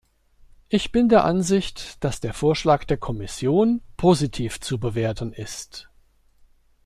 Ich bin der Ansicht, dass der Vorschlag der Kommission positiv zu bewerten ist.